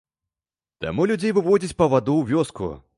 Таму людзей выводзяць па ваду ў вёску.